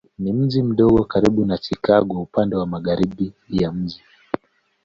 Ni mji mdogo karibu na Chicago upande wa magharibi ya mji.